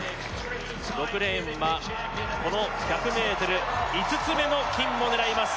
６レーンはこの１００ｍ５つ目の金を狙います